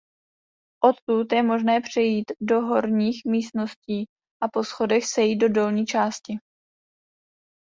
Odtud je možné přejít do horních místností a po schodech sejít do dolní části.